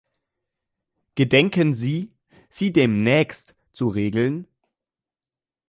Gedenken Sie, sie demnächst zu regeln?